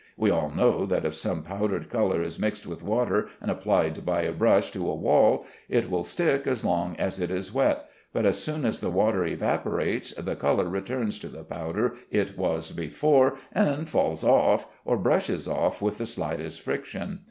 We all know that if some powdered color is mixed with water and applied by a brush to a wall, it will stick as long as it is wet, but as soon as the water evaporates, the color returns to the powder it was before, and falls off, or brushes off with the slightest friction.